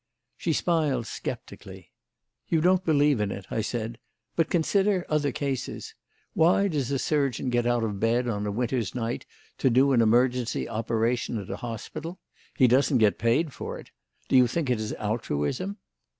She smiled sceptically. "You don't believe in it," I said; "but consider other cases. Why does a surgeon get out of bed on a winter's night to do an emergency operation at a hospital? He doesn't get paid for it. Do you think it is altruism?"